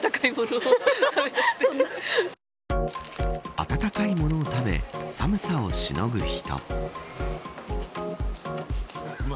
温かいものを食べ寒さをしのぐ人。